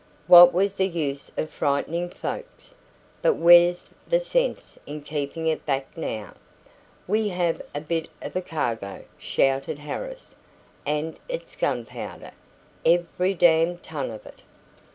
What was the use o' frightenin' folks? But where's the sense in keepin' it back now? We have a bit of a cargo," shouted Harris; "and it's gunpowder every damned ton of it!"